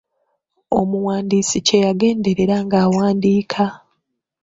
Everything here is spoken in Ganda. Omuwandiisi kye yagenderera ng'awandiika.